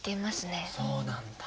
そうなんだ。